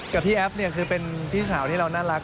กับพี่แอฟเนี่ยคือเป็นพี่สาวที่เราน่ารัก